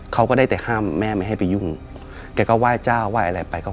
เขาก็ได้แต่ห้ามแม่ไม่ให้ไปยุ่งแกก็ไหว้เจ้าไหว้อะไรไป